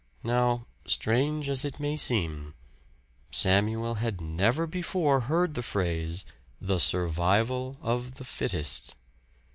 Now, strange as it may seem, Samuel had never before heard the phrase, "the survival of the fittest."